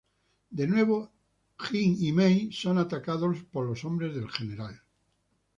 De nuevo, Jin y Mei son atacados por los hombres del general.